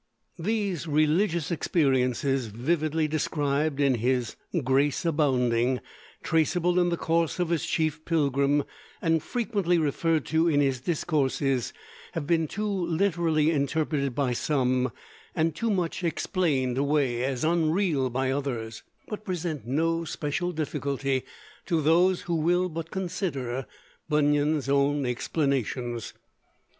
These religious experiences, vividly described in his 'Grace Abounding,' traceable in the course of his chief Pilgrim, and frequently referred to in his discourses, have been too literally interpreted by some, and too much explained away as unreal by others; but present no special difficulty to those who will but consider Bunyan's own explanations.